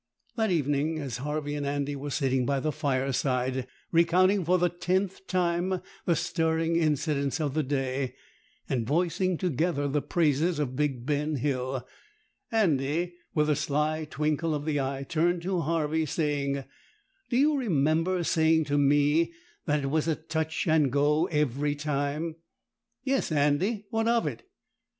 That evening, as Harvey and Andy were sitting by the fireside recounting for the tenth time the stirring incidents of the day, and voicing together the praises of big Ben Hill, Andy, with a sly twinkle of the eye, turned to Harvey, saying, "Do you remember saying to me that it was a touch and go every time?" "Yes, Andy; what of it?"